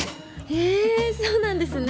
えぇそうなんですね。